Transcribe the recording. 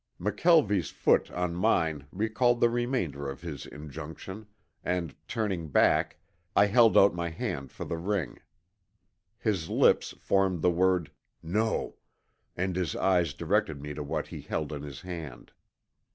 McKelvie's foot on mine recalled the remainder of his injunction, and turning back, I held out my hand for the ring. His lips formed the word, "No," and his eyes directed me to what he held in his hand.